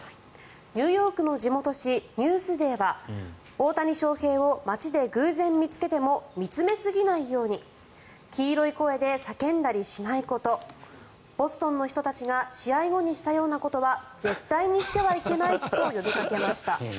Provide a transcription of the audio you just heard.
ニューヨークの地元紙ニュースデイは大谷翔平を街で偶然見つけても見つめすぎないように黄色い声で叫んだりしないことボストンの人たちが試合後にしたようなことは絶対にしてはいけないと呼びかけました。